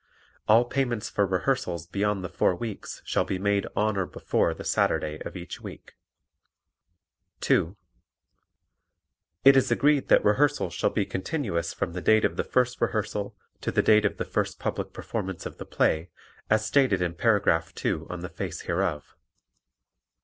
All payments for rehearsals beyond the four weeks shall be made on or before the Saturday of each week. (2) It is agreed that rehearsals shall be continuous from the date of the first rehearsal to the date of the first public performance of the play, as stated in Paragraph 2 on the face hereof.